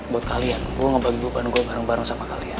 buat kalian gue ngebagi beban gue bareng bareng sama kalian